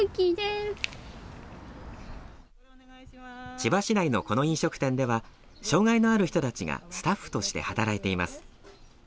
千葉市内のこの飲食店では障害のある人たちがスタッフとして働いています。